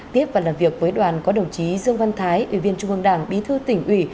tiếp và làm việc với đoàn có đồng chí dương văn thái ủy viên trung ương đảng bí thư tỉnh ủy